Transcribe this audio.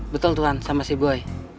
betul tuhan sama si boy